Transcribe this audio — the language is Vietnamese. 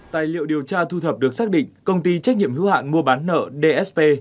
tài liệu điều tra thu thập được xác định công ty trách nhiệm hữu hạn mua bán nợ dsp